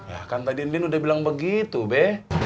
akan tadi indin udah bilang begitu be